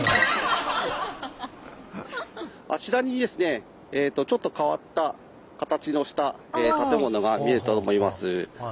あちらにですねちょっと変わった形をした建物が見えると思います。